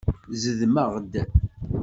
Zedmeɣ-d.